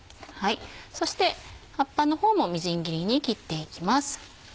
そして葉っぱの方もみじん切りに切っていきます。